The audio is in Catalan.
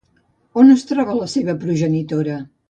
On es troba la seva progenitora?